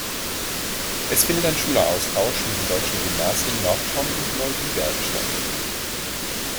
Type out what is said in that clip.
Es findet ein Schüleraustausch mit den deutschen Gymnasien Nordhorn und Neubiberg statt.